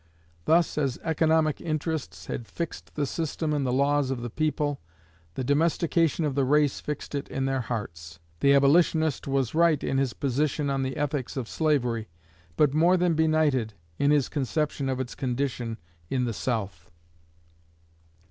Thus as economic interests had fixed the system in the laws of the people, the domestication of the race fixed it in their hearts. The abolitionist was right in his position on the ethics of slavery, but more than benighted in his conception of its condition in the South.